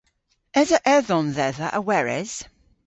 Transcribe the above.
Esa edhom dhedha a weres?